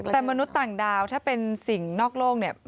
แต่มนุษย์ต่างดาวถ้าเป็นสิ่งนอกโลกเนี่ย